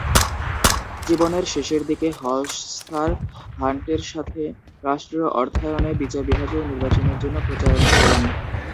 জীবনের শেষের দিকে, হলশসার হান্টের সাথে রাষ্ট্রীয় অর্থায়নে বিচার বিভাগীয় নির্বাচনের জন্য প্রচারণা চালান।